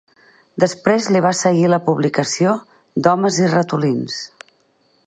Després li va seguir la publicació d'"Homes i ratolins".